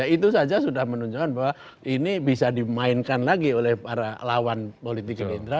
itu saja sudah menunjukkan bahwa ini bisa dimainkan lagi oleh para lawan politik gerindra